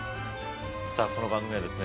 さあこの番組はですね